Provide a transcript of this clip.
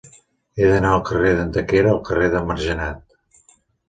He d'anar del carrer d'Antequera al carrer de Margenat.